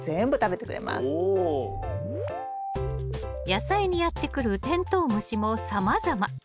野菜にやって来るテントウムシもさまざま。